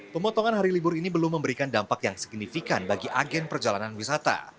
pemotongan hari libur ini belum memberikan dampak yang signifikan bagi agen perjalanan wisata